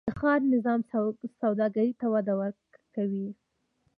د ښار نظم سوداګرۍ ته وده ورکوي؟